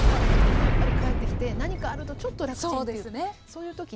でもやっぱり帰ってきて何かあるとちょっと楽ちんという。